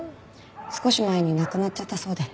少し前に亡くなっちゃったそうで。